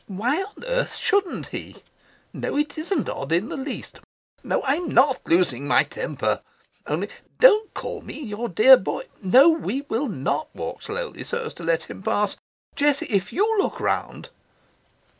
Why on earth shouldn't he?... No, it isn't odd in the least... No, I'm NOT losing my temper. Only, don't call me your dear boy... No, we will NOT walk slowly so as to let him pass us... Jessie, if you look round..."